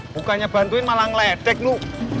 bukannya bantuin malah ngeledek lo